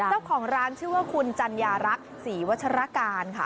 เจ้าของร้านชื่อว่าคุณจัญญารักษ์ศรีวัชรการค่ะ